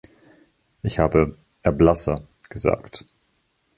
Ich habe 'Erblasser' gesagt.